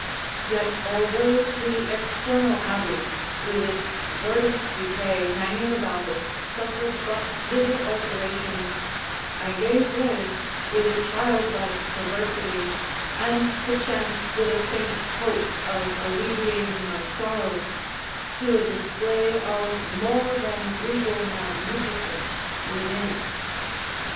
Yet although the external abbey, with its verdant decay hanging about it, suffered but little alteration, I gave way, with a child like perversity, and perchance with a faint hope of alleviating my sorrows, to a display of more than regal magnificence within.